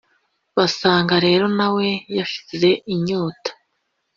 basanga rero nawe yashize inyota